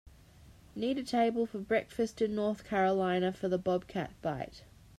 Need a table for breakfast in North Carolina for the Bobcat Bite